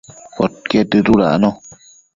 Podquied dëdudacno